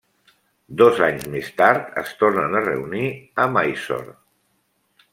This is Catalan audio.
Dos anys més tard, es tornen a reunir a Mysore.